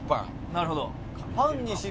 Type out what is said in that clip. なるほど。